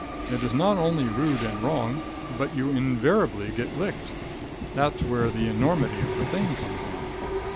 It is not only rude and wrong, but you invariably get licked. There's where the enormity of the thing comes in.